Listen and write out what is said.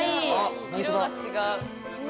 色が違う。